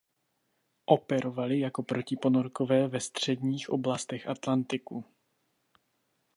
Operovaly jako protiponorkové ve středních oblastech Atlantiku.